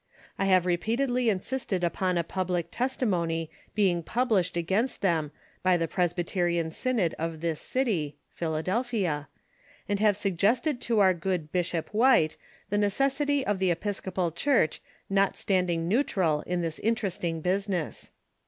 I have repeatedly insisted upon a public testimony being published against them by the Presbyterian synod of this city [Philadelphia], and have suggested to our good Bish op White the necessity of the Episcopal Church not standing neutral in this interesting business."